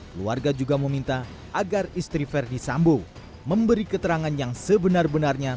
keluarga juga meminta agar istri verdi sambo memberi keterangan yang sebenar benarnya